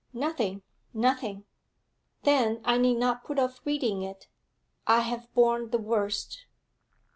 'Nothing; nothing.' 'Then I need not put off reading it. I have borne the worst.'